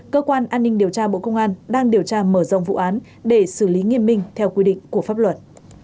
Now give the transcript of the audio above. cơ quan an ninh điều tra bộ công an đang điều tra mở rộng vụ án để xử lý nghiêm minh theo quy định của pháp luật